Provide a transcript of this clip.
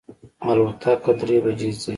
الوتکه درې بجی ځي